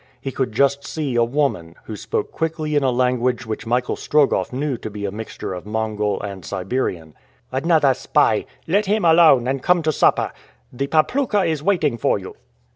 He could just see a woman, who spoke quickly in a language which Michael Strogoff knew to be a mixture of Mongol and Siberian. "Another spy! Let him alone, and come to supper. The papluka is waiting for you."